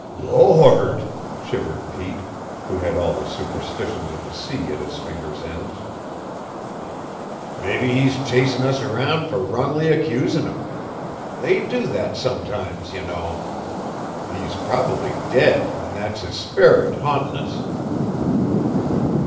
"Lor rd!" shivered Pete, who had all the superstitions of the sea at his fingers' ends. "Mebbe he's chasin' us around fer wrongly accusin' him. They do that sometimes, you know. He's probably dead an' that's his sperrit, ha'ntin' us."